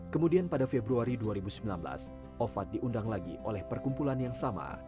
kemudian pada februari dua ribu sembilan belas ovad diundang lagi oleh perkumpulan yang sama